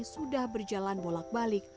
sudah berjalan bolak balik